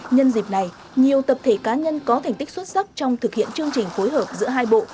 nhân dịp này nhiều tập thể cá nhân có thành tích xuất sắc trong thực hiện chương trình phối hợp giữa hai bộ